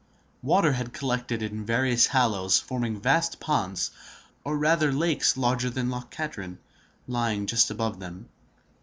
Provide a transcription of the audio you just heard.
Water had collected in various hollows, forming vast ponds, or rather lakes larger than Loch Katrine, lying just above them.